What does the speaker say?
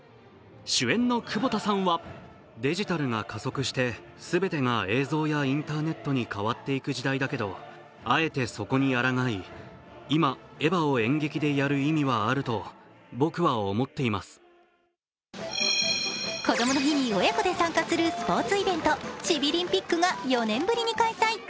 主演の窪田さんはこどもの日に親子で参加するスポーツイベント、チビリンピックが４年ぶりに開催。